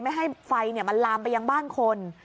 ไม่ให้ไฟมันลามไปยังบ้านคน